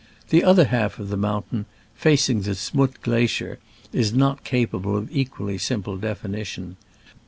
The other half of the mountain, facing the Z'Mutt glacier, is not capable of equally simple definition.